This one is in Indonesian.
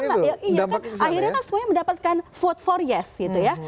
iya kan akhirnya kan semuanya mendapatkan vote for yes gitu ya